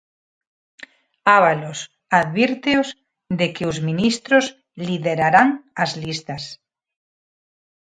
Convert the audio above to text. Ábalos advírteos de que os ministros liderarán as listas.